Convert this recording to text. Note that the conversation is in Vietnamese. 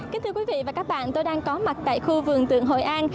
kính thưa quý vị và các bạn tôi đang có mặt tại khu vườn tượng hội an